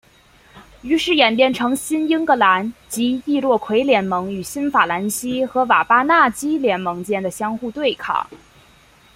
于是演变成新英格兰及易洛魁联盟与新法兰西和瓦巴纳基联盟间的相互对抗。